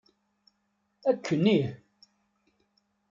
Akken ih!